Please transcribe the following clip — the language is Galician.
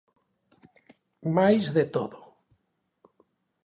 Máis de todo.